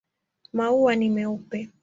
Maua ni meupe.